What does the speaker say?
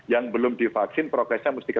yang belum divaksin prokesnya mendatangkan